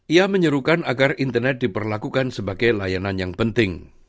ia menyerukan agar internet diperlakukan sebagai layanan yang penting